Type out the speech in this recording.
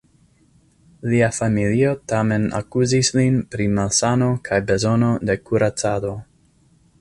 Lia familio tamen akuzis lin pri malsano kaj bezono de kuracado.